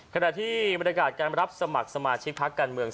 ขณะที่บรรยากาศการรับสมัครสมาชิกพักการเมือง